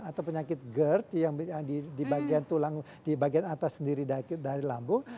atau penyakit gerd yang di bagian tulang di bagian atas sendiri dari lambung